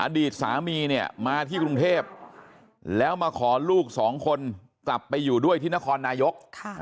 อดีตสามีเนี่ยมาที่กรุงเทพแล้วมาขอลูกสองคนกลับไปอยู่ด้วยที่นครนายก